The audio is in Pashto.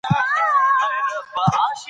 ایا موږ پوهیږو چي څه کوو؟